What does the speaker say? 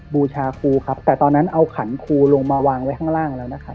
บูชาครูครับแต่ตอนนั้นเอาขันครูลงมาวางไว้ข้างล่างแล้วนะครับ